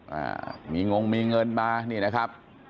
อ่าาามีโงงมีเงินมา